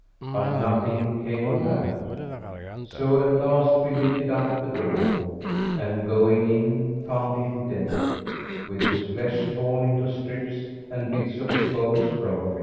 But nothing came of that; so at last we lifted up the door;[FN#375] and, going in, found him dead, with his flesh torn into strips and bits and his bones broken.